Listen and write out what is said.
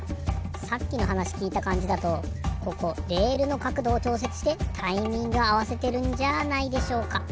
さっきのはなしきいたかんじだとここレールのかくどをちょうせつしてタイミングあわせてるんじゃないでしょうか？